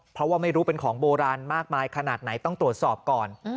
เพราะว่าไม่รู้เป็นของโบราณมากมายขนาดไหนต้องตรวจสอบก่อน